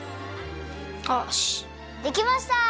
よしできました！